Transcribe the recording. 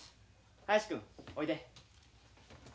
林君おいで。